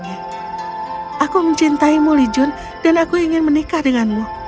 aku mencintaimu li jun dan aku ingin menikah denganmu